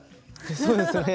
そうですね。